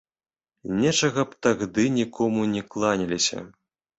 Нечага б тагды нікому не кланяліся.